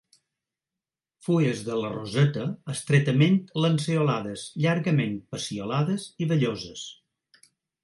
Fulles de la roseta estretament lanceolades, llargament peciolades i velloses.